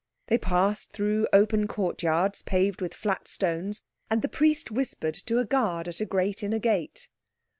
They passed through open courtyards, paved with flat stones, and the priest whispered to a guard at a great inner gate.